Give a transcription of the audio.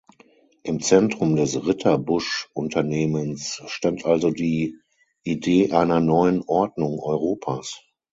Im Zentrum des Ritterbusch-Unternehmens stand also die „Idee einer neuen Ordnung Europas“.